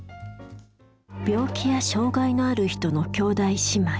病気や障害のある人の兄弟姉妹。